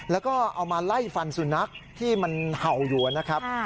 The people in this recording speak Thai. แล้วก็เอามาไล่ฟันสุนัขที่มันเห่าอยู่นะครับ